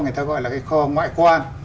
người ta gọi là cái kho ngoại quan